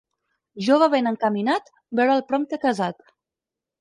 Jove ben encaminat, veure'l prompte casat.